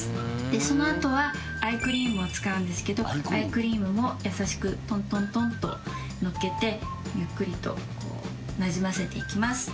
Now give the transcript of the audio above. でそのあとはアイクリームを使うんですけどアイクリームも優しくとんとんとのっけてゆっくりと馴染ませていきます。